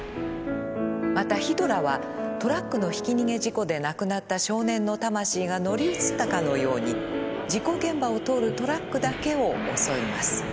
またヒドラはトラックのひき逃げ事故で亡くなった少年の魂が乗り移ったかのように事故現場を通るトラックだけを襲います。